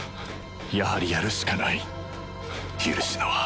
やはりやるしかない許しの輪